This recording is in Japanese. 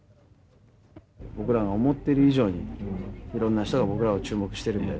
僕らが思ってる以上にいろんな人が僕らを注目してるんでね。